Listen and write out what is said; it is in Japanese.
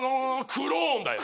クローンだよ。